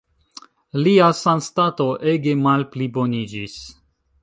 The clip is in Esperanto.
Lia sanstato ege malpliboniĝis.